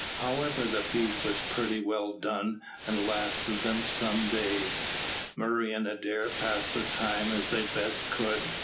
However, the beef was pretty well done, and lasted them some days. Murray and Adair passed the time as they best could.